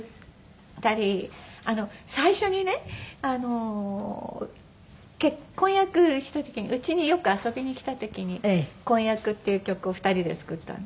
最初にね婚約した時に家によく遊びに来た時に「婚約」っていう曲を２人で作ったの。